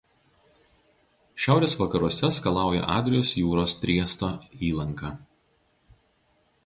Šiaurės vakaruose skalauja Adrijos jūros Triesto įlanka.